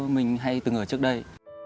mình hay từng ở trước đây